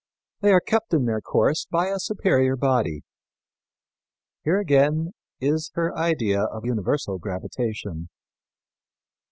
They are kept in their course by a superior body." Here again is her idea of universal gravitation.